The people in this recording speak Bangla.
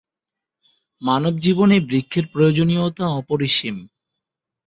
মানবজীবনে বৃক্ষের প্রয়োজনীয়তা অপরিসীম।